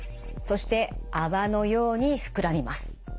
そして泡のように膨らみます。